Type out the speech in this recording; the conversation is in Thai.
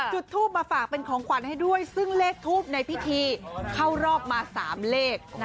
จุดทูปมาฝากเป็นของขวัญให้ด้วยซึ่งเลขทูปในพิธีเข้ารอบมา๓เลข